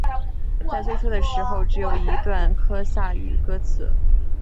在最初的时候只有一段科萨语歌词。